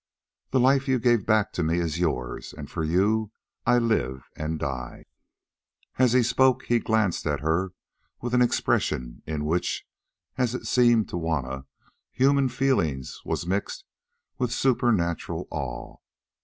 The life you gave back to me is yours, and for you I live and die." As he spoke he glanced at her with an expression in which, as it seemed to Juanna, human feeling was mixed with supernatural awe.